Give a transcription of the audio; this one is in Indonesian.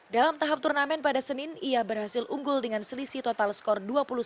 dalam tahap turnamen pada senin ia berhasil unggul dengan selisih total skor dua puluh satu